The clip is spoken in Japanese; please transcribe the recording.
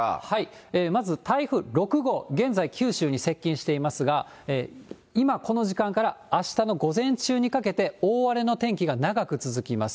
まず台風６号、現在、九州に接近していますが、今、この時間からあしたの午前中にかけて、大荒れの天気が長く続きます。